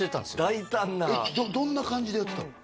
大胆などんな感じでやってたの？